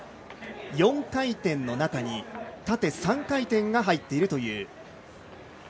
４回転の中に、縦３回転が入っているという。